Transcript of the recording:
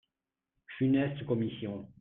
Funeste commission